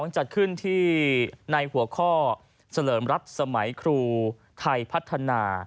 จัดขึ้นที่ในหัวข้อเฉลิมรัฐสมัยครูไทยพัฒนา